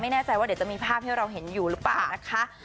ไม่แน่ใจว่าเดี๋ยวจะมีภาพให้เราเห็นอยู่หรือเปล่านะคะ